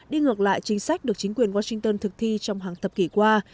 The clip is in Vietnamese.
đi ngược lại chính sách được chính quyền washington thực thi trong hàng thập kỷ qua